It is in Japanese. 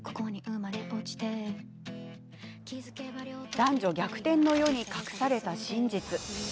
男女逆転の世に隠された真実。